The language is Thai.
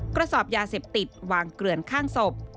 กระสอบยาเสพติดวางเกลือนข้างศพ